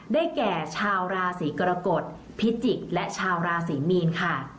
แก่ชาวราศีกรกฎพิจิกษ์และชาวราศรีมีนค่ะ